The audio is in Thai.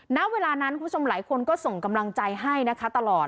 ณเวลานั้นคุณผู้ชมหลายคนก็ส่งกำลังใจให้นะคะตลอด